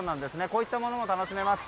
こういったものが楽しめます。